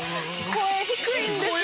声低いんですよ。